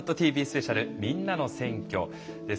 スペシャルみんなの選挙」です。